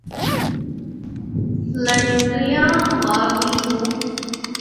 فلنٹریاں مارنی ہوں۔